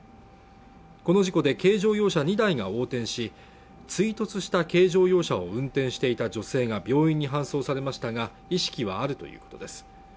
この事故で軽乗用車２台が横転し追突した軽乗用車を運転していた女性が病院に搬送されましたが意識はあるということです